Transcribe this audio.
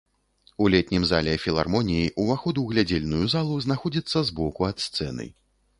У летнім зале філармоніі ўваход у глядзельную залу знаходзіцца збоку ад сцэны.